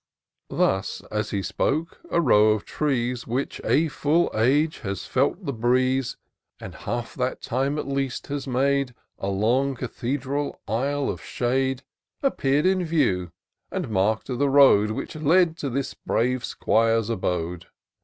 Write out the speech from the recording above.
Thus as he spoke, a row of trees. Which a fuU age had felt the breeze. And half that time, at least, had made A long cathedral aisle of shade, Appear'd in view, and mark'd the road Which led to this brave 'Squire's abode.